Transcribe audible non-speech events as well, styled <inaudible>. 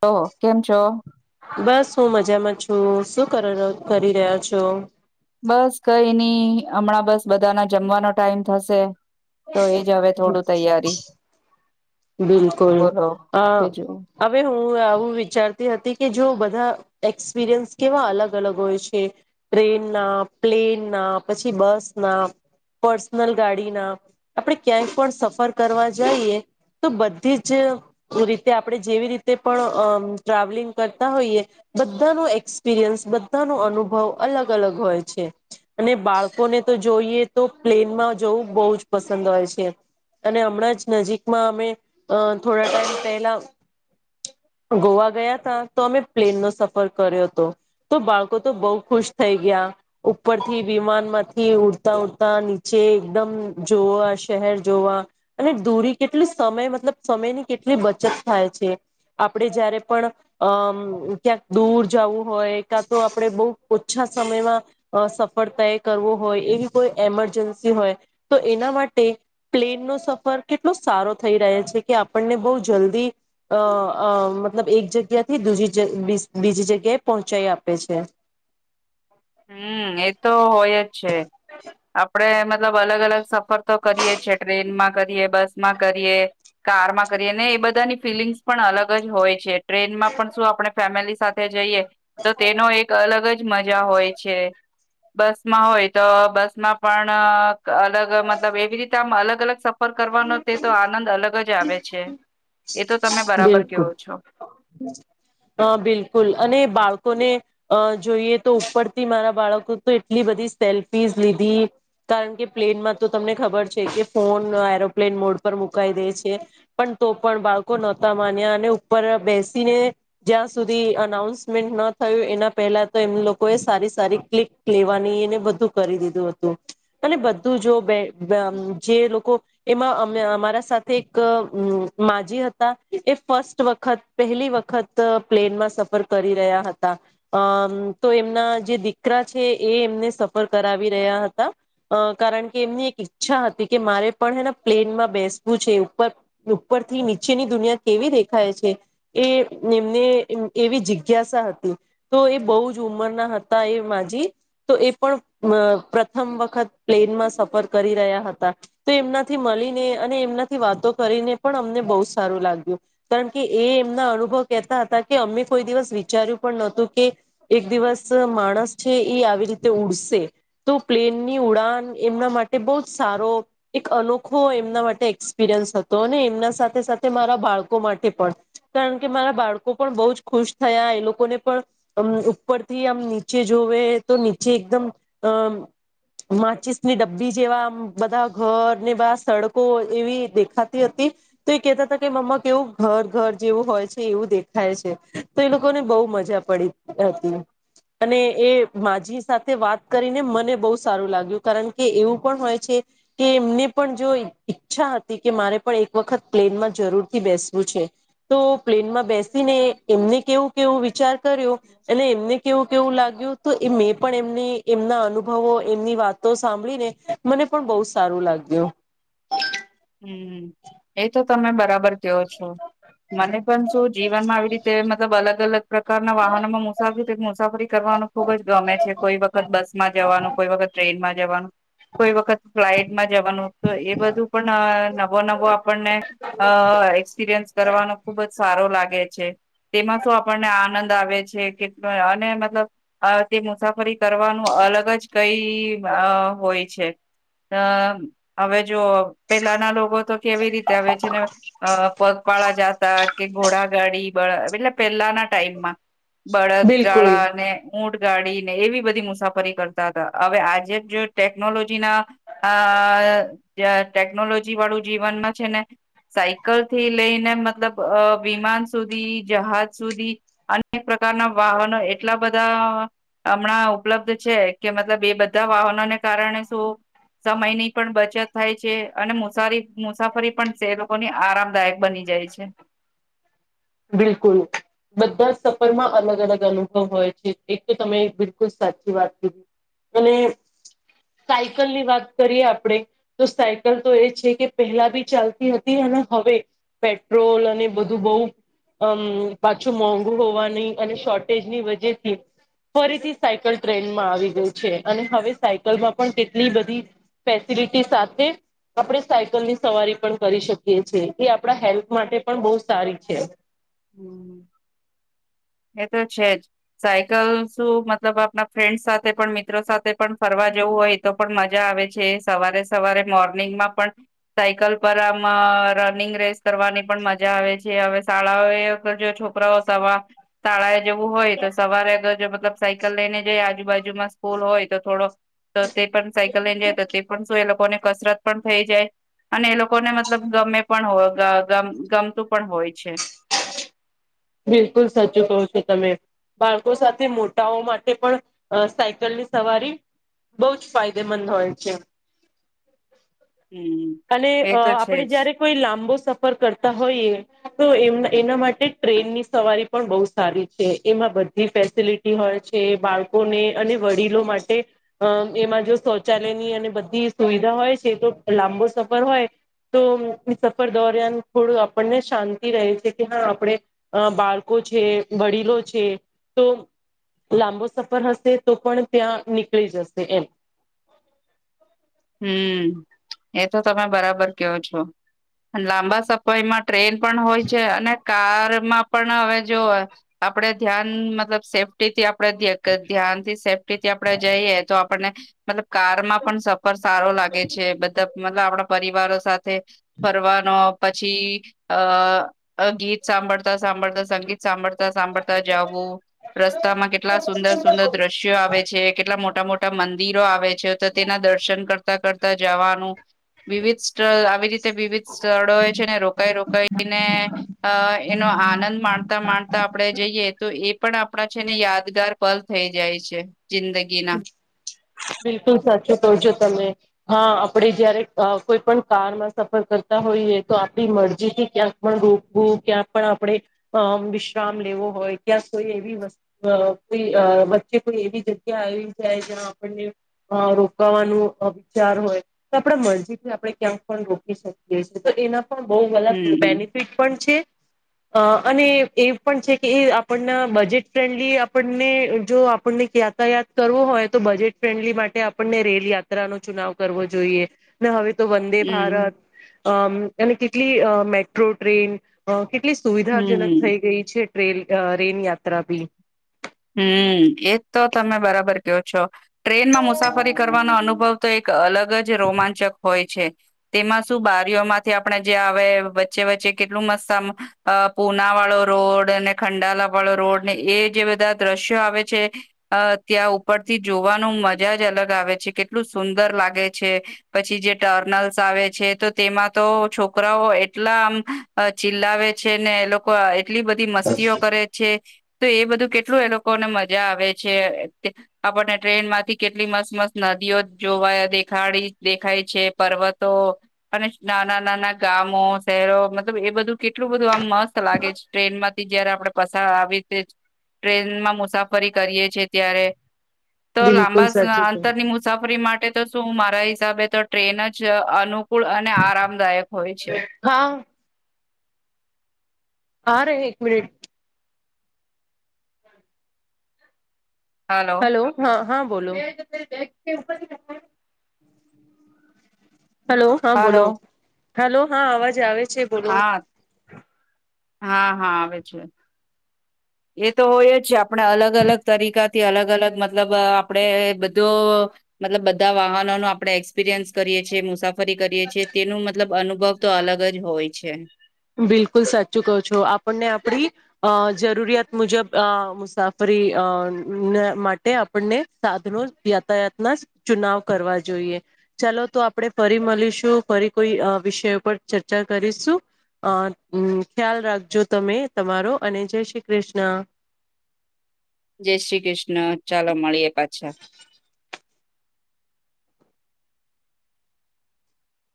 તો કેમ છો? બસ હું મજામાં છું શું કરી રહ્યા છો? બસ કઈ નહી હમણાં બસ બધાના જમવાનો ટાઈમ થશે? તો એજ હવે થોડું તૈયારી. બિલકુલ બોલો અ બીજું હવે હું આવું વિચારતી હતી કે જો બધા એક્સપિરિયન્સ કેવા અલગ -અલગ હોય છે ટ્રેનના પ્લેન ના પછી બસ ના પર્સનલ ગાડીના આપણેે ક્યાંય પણ સફર કરવા જઈએ તો બધી જ રીતે આપણે જેવી રીતે પણ અ ટ્રાવેલિંગ કરતા હોઈએ બધા ન એક્સપિરિયન્સ બધા ન અનુભવ અલગ- અલગ હોય છે અને બાળકોને તો જોઈએ તો પ્લેનમાં જવું બહુ જ પસંદ હોય છે અને હમણાં જ નજીકમાં અમે અ થોડા ટાઈમ પેલા ગોવા ગયા તા તો અમે પ્લેન નો સફર કર્યો હતો તો બાળકો તો બહુ ખુશ થઈ ગયા ઉપરથી વિમાન માંથી ઉડતા ઉડતા નીચે એકદમ જોવા શહેર જોવા અને દૂરી કેટલી સમય મતલબ સમયની કેટલી બચત થાય છે. આપણે જયારે પણ અમ ક્યાંક દૂર જવું હોય કાં તો આપડે બહુ ઓછા સમયમાં સફર તેય કરવો હોય એવી કોઈ એમરજન્સી હોય તો એના માટે પ્લેનનો સફર કેટલો સારો થઈ રહે છે કે આપણને બહુ જલ્દી અ, અ, મતલબ એક જગ્યાથી દુજી, બીઝ, બીજી જગ્યાએ પહોંચાઈ આપે છે. <inaudible> હમ, એ તો હોય જ છે. આપડે મતલબ અલગ અલગ સફર તો કરીએ છે, ટ્રેનમાં કરીએ, બસમાં કરીએ, કારમાં કરીએ ને એ બધા બધાની ફિલિંગ્સ પણ અલગ જ હોય છે, ટ્રેનમાં પણ સું આપણે ફેમેલી સાથે જઈએ, તો તેનો એક અલગ જ મજા હોય છે. બસમાં હોય તો બસમાં પણ અલગ, મતલબ એવી રીતે આમ અલગ અલગ સફર કરવાનો, તે તો આનંદ અલગ જ આવે છે. એ તો તમે બરાબર બિલકુલ, કેવો છો. અ, બિલકુલ અને બાળકોને અ, જોઈએ તો ઉપરથી મારા બાળકો તો એટલી બધી સેલ્ફીસ લીધી, કારણ કે પ્લેનમાં તો તમને ખબર છે કે ફોન એરોપ્લેન મોડ પર મુકાઈ દે છે પણ તો પણ બાળકો નતા માન્યા અને ઉપર બેસીને જ્યાં સુધી અનાઉન્સમેન્ટ ન થયું એના પહે પેલા તો એમ લોકો એ સારી સારી ક્લિક લેવાનીને બધુ કરી દીધુ હતુ અને બધુ જ તો બે બયા અ જે લોકો એમાં અમારા સાથે એક માજી હત હતા, એ ફસ્ટ વખત, પહેલી વખત, પ્લેનમાં સફર કરી રહ્યા હતા. અ અમ, તો એમના જે દીકરા છે, એ એમને સફર કરાવી રહ્યા હતા, અ કારણ કે એમની એક ઈચ્છા હતી કે મારે પણે પ્લેન માં બેસવું છે. ઉપરથ ઉપરથી ની ચેની દુનિયા કેવી દેખાય છે, એ એમને એવી જિજ્ઞાસા હતી. તો એ બવજ ઉંમરના હતા એ માજી, તો એ પણ અમ પ્રથમ વખત પ્લેનમાં સફર કરી રહ્યા હતા. તો એમનાથી મળીને અને એમનાથી વાતો કરીને પણ અમને બવ સારું લાગ્યું, કારણ કે એ એમના અનુભવ કેતા હતા, કે અમે કોઈ દિવસ વિચાર્યું પણ નોતું કે એક દિવસ માણસ છે એ આવી રીતે ઉડસે, તો પ્લેન એની ઉડાન, એમના માટે બહુ જ સારો, એક અનોખો એમના માટે એક્સપિરિયન્સ હતો. ને એમના સાથે સાથે મારા બાળકો માટે પણ, કારણ કે મારા બાળકો પણ બહુ જ ખુશ થયા, એ લોકોને પણ ઉપરથી આમ નીચે જોવે, તો નીચે એકદમ અ માચીસની ડબ્બી જેવા બધા ઘર ને બાર સડકો એવી દેખાતી હતી. તો એક કેતા હતા કે, મમ્મા, કેવું ઘર ઘર જેવું હોય છે એવું દેખાય છે, તો એ લોકોને બહુ મજા પડી. એતલે અને એ માજી સાથે વાત કરીને મને બહુ સારું લાગ્યું, કારણ કે એવું પણ હોય છે કે એમને પણ જો એ ઈચ્છા હતી કે મારે પણ એક વખત પ્લેનમાં જરૂરથી બેસવું છે, તો પ્લેનમાં બેસીને એમને કેવુ કેવુ વિચાર કર્યો અને એમને કેવુ કેવુ લાગ્યુ તો મેં પણ એમને એમના અનુ ભવો એમની વાતો સાંભળીને, મને પણ બહુ સારું લાગ્યું. હ, એ તો તમે બરાબર કયો છો. મને પણ સુ જીવનમાં આવી રીતે, મતલબ અલગ અલગ પ્રકારના વાહનોમાં મુસાફરી, મુસાફરી કરવા વા ખુબ જ ગમે છે. કોઈ વખત બસ માં જવાનું, કોઈ વખત ટ્રેનમાં જવાનું, કોઈ વખત ફ્લાઈટમાં જવાનું, તો એ બધુ પણ નવો નવો આપણને અ એક્સપિરિયન્સ કરવાનો ખુબ જ સારો લાગે ગે છે તેમાં સુ, આપણને આનંદ આવે છે કેટલોય, અને મતલબ તે મુસાફરી કે કરવાનું અલગ જ કઈ અ હોય છે. અ હવે જો પેલાના લોકો તો કેવી રીતે આવે છે ને પગપાળા જાતા કે ઘોડા ગાડી એટલે પેલાના ટાઈમમાં, બળદ બિલકુલ ગાળા અને ઉંટ ગાડી ને એવી બધી મુસાફરી કરતા હતા. હવે આજે જો ટેકનોલોજી ના અ અ જ ટેકનોલોજીવાળું જીવનમાં છે ને, સાયકલથી લઈને મતલબ અ વિમાન સુધી જહાજ સુધી અનેક પ્રકારના વાહનો એટલા બધા હમણાં ઉપલબ્ધ છે કે મતલબ એ બધા વાહનોને કારણે શું સમય ની પણ બચત થાય છે. છે અને મુસારી મુસાફરી પણ છે એ લોકોની આરામદાયક બની જાય છે બિલકુલ બધા સફરમાં અલગ અલગ અનુભવ હોય છે, એક તો તમે બિલકુલ સાચી વાત કર અને સાયકલ ની વાત કરીએ આપણેે તો સાયકલ તો એ છે કે પહેલા ભી ચાલતી હતી. હવે પેટ્રોલ અને બધું બઉ અમ પાછું મોંઘુ હોવાની અને શોર્ટેજ ની વજેથી ફરીથી સાયકલ ટ્રેનમાં આવી ગઈ છે અને હવે સાયકલમાં પણ કેટલી બધી ફેસિલિટી સાથે આપણે સાયકલની સવારી પણ કરી શકીએ છીએ એ આપણા હેલ્થ માટે પણ બહુ સારી છે. <unintelligible> એ તો છે જ સાયકલ શું મતલબ આપના ફ્રેન્ડ સાથે પણ મિત્રો સાથે પણ ફરવા વું હોય તો પણ મજા આવે છે સવારે સવારે મોર્નિંગમાં પણ સાયકલ પર આમ રનિંગ રેસ કરવાની પણ મજા આવે છે હવે શાળાઓએ જો છોકરાઓ સવાર તાળાએ જવું હોય તો સવારેગર મબ સાઈકલ લેને જાય આુાજુ જુ સ્કૂલ હોય તો થોડો તો તે પણ સાયકલ લઈને જાય તો તે પણ શું એ લોકોને કસરત પણ થઈ જાય અને એ લોકોને મતલબ ગમે પણ હો જા જા ગમ ગમતું પણ હોય છે બિલકુલ સા્ચું કહ છો તમે બાળકો સાથે મોટાઓ માટે પણ સાયકલની સવારી બહુ જ ફાયદેમંદ હોય છે હમ અને એ તો છે આપણેે જ જયારે કોઈ લાંબો સફર કરતા હોઈએ તો એમ એના માટે ટ્રેનની સવારી પણ બહુ સારી છે એમાં બધી ફેસિલિટી હોય બાળકોને અને વડીલો માટે અ એમાં જો શૌચાલયની અને બધી સુવિધ હોય છે તો લાંબો સફર હોય તો સફર દોરિયાન થોડું આપણને શાંતિ રહે છે કે હા આપણે એ બાળકો છે વડીલો છે તો લાંબો સફર હશે તો પણ ત્યાં નીકળી જશે એમ હમ એ તો તમે બરાબર કહો છો લાંબા સફાઈ માટે ટ્રેન પણ હોય છે અને કારમાં પણ હવે જો આપડે ધ્યાન મતલબ સેફ્ટી થી આપ પ્રતિ આપ ધ્યાન થી સેફ્ટીથી આપડે જઈએ તો આપણને મતલબ કારમાં પણ પર સારો લાગે છે બધા મતલબ આપણા પરિવારો સાથે ફરવાનો પછી અ ગીત સાંભળતા સાંભળતા સંગીત સાંભળતા સાંભળતા જું રસ્તામાં કેટલા સુંદર સુંદર દ્રશ્યો આવે છે કેટલા મોટા મોટા મોટા મંદિરો આવે છે તો તેના દર્શન કરતા કરતા જવાનું વિવિધ સ્થળ આવી રીતે વિવિધ સ્થળોએ છે ને રોકાઈ રોકાઈને અ એ નો આનંદ માણતા માણતા આપણે જઈએ તો એ પણ આપણા છે ને યાદગાર પલ થઈ જાય છે જિંદગીના તોડજો તમે હા આપણે જયારે કોઈ પણ કારમાં સફર કરતા હોઈએ તો આપણી મરજી થી ક્યાંક પણ રોકવું ક્યાંક પણ આપણે વિશ્રામ લેવો હોય ક્યાં કોઈ કોઈ અ બચ્ચે કોઈ એવી જ ક્યાં આવી જાય જ્યાં આપણને રોકાવાનું વિચાર હોય તો આપણા મરજીથી આપણે ક્યા પણ રોકી શકીએીએ તો એના પણ બહલ હમ બેનિફિટ પણ છે અ અને એ પણ છે કે એ આપણને બજેટ ફ્રેન્ડલી આપણને જો આપણને ક ત કરવો હોય તો બજેટ ફ્રેન્ડલી માટે આપણને રેલ યાત્રા નો ચુનાવ કરવો જોઈએ ને હવે તો વંદે હમ ભારત અ અને કેટલી મેટ્રો ટ્રેન કેટલી હમ સુવિધાજનક હમ થઈ ગઈ છે ટ્રેન રેન યાત્રા બી હમ એજ તો તમે બરાબર કહો છો ટ્રેનમાં મુસાફરી કરવાનો અનુભવ તો એક અલગ જ રોમાંચક હોય છે તેમાં શું બારીઓ માંથી આપણેે જે આવે વચ્ચે વચ્ચે કેટલું મસ્ત પૂના વાળો રોડ ખંડાલા વાળો રોડ ને એ જે બધા દ્રશ્યો આવે છે ત્યાં ઉપરથી જોવાનું મજા જ અલગ આવે છે કેટલું સુંદર લાગે છે પછી જે ટર્નલ્સ આવે છે તો તેમાં તો છોકરાઓ એટલા આમ અ ચિલ્લાવે છે ને એ લોકો એટલી બધી મસ્તીઓ કરે છે તો એ બધું કેટ કેટલું એ લોકોને મજા આવે છે આપણને ટ્રેન માંથી કેટલી મસ્ત મસ્ત નદીઓ જોવા દેખાડી દેખાય છે પર્વતો અને નાના નાના ગામો શહેરો મતલબ એ બધું કેટલું બધું આમ મસ્ત લાગે છે ટ્રેનમાંથી જયારે આપડે પસાર આવી ટ્રેનમાં મુસાફરી કરીએ છ છેએ ત્યારે તો બિલકુલ લાંબા સાચું છે અંતરની મુસાફરી માટે તો શું મારા હિસાબે તો ટ્રેન જ અનુ કુળ અને આરામદાયક હોય છે હા આ ર એક મિનિટ હલો હેલો હા હા બોલો હલો હા બોલો હલો હલો હા અવાજ આવે છે બોલો હા હા હા આવે છે એ તો હોય જ છે આપણે અલગ અલગ તરીકાથી અલગ અલગ મતલબ આપડે બધો તલ બધા વાહનો ન આપણે એક્સપિરિયન્સ કરીએ છીએ મુસાફરી કરીએ છીએ તેનું મતલબ અનુભવ તો અલગ જ હોય છે બિલકુલ સાચું કહો છો આપણને આપણી અ જરૂરિયાત મુજબ મુસાફરી માટે આપને સાધનો યાતાયાતના ચુનાવ કરવા જોઈએ ચાલો તો આપણે ફરી મળીશું ફરી કોઈ વિષય પર ચર્ચા કરીશું અ ખ્યાલ રાખજો તમે તમારો અને જય શ્રી કૃષ્ણ <inaudible> જય શ્રી કૃષ્ણ ચાલો મળીએ પાછા